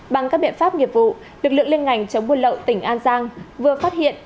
bằng các biện pháp nghiệp vụ lực lượng liên ngành chống buôn lậu tỉnh an giang vừa phát hiện